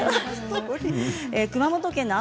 熊本県の方。